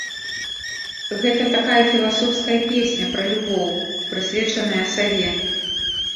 Гэта такая філасофская песня пра любоў, прысвечаная саве.